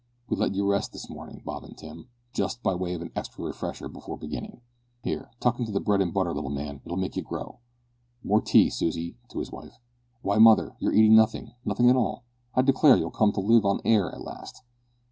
We let you rest this morning, Bob and Tim, just by way of an extra refresher before beginning. Here, tuck into the bread and butter, little man, it'll make you grow. More tea, Susy," (to his wife). "Why, mother, you're eating nothing nothing at all. I declare you'll come to live on air at last."